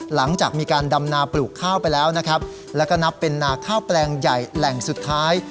หลังจากมีการดำนาปลูกข้าวไปแล้วนะครับแล้วก็นับเป็นนาข้าวแปลงใหญ่แหล่งสุดท้าย